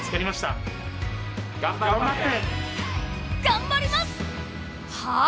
頑張ります！